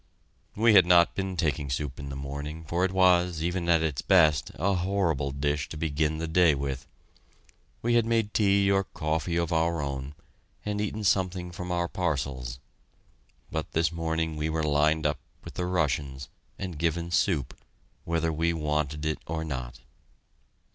We had not been taking soup in the morning, for it was, even at its best, a horrible dish to begin the day with. We had made tea or coffee of our own, and eaten something from our parcels. But this morning we were lined up with the Russians and given soup whether we wanted it or not.